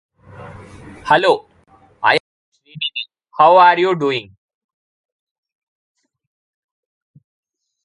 Initial critical response to "We Love Life" was very positive.